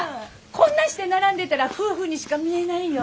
こんなして並んでたら夫婦にしか見えないよ。